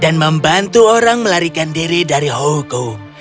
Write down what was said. dan membantu orang melarikan diri dari hukum